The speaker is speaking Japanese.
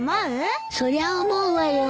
そりゃ思うわよ。